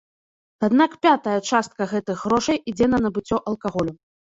Аднак пятая частка гэтых грошай ідзе на набыццё алкаголю.